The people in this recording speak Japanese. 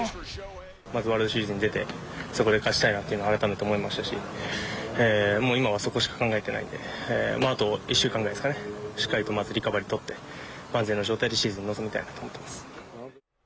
まずはシーズンに出てそこで勝ちたいなと改めて思いましたしもう今はそこしか考えてないんであと１週間ぐらいですかね、しっかりとリカバリーとって万全の状態でシーズンに臨みたいと思います。